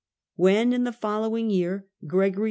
When, in the following year, Gregory V.